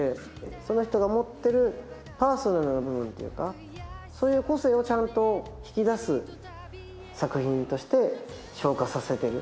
その人が持ってるパーソナルな部分っていうかそういう個性を引き出す作品として昇華させてる。